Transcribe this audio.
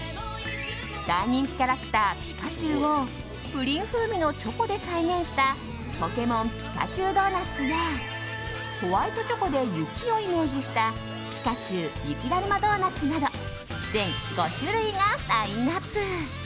大人気キャラクターピカチュウをプリン風味のチョコで再現したポケモンピカチュウドーナツやホワイトチョコで雪をイメージしたピカチュウ雪だるまドーナツなど全５種類がラインアップ。